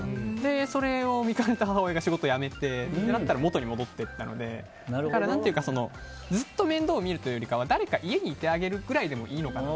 それを見かねた母親が仕事を辞めたら元に戻ったのでずっと面倒を見るというよりかは誰かが家にいてあげるくらいでもいいのかな。